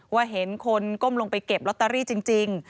เห็นคนก้มลงไปเก็บลอตเตอรี่จริง